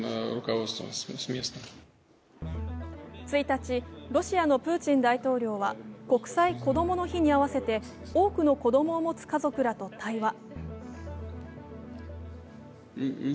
１日、ロシアのプーチン大統領は国際こどもの日に合わせて多くの子供を持つ家族らと対話。